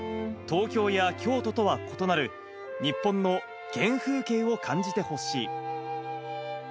東京や京都とは異なる、日本の原風景を感じてほしい。